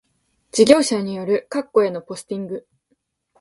事業者による各戸へのポスティング